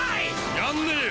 やんねえよ